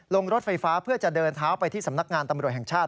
รถไฟฟ้าเพื่อจะเดินเท้าไปที่สำนักงานตำรวจแห่งชาติ